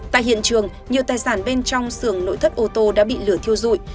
tại hiện trường nhiều tài sản bên trong xưởng nội thất ô tô đã bị lửa thiêu dụi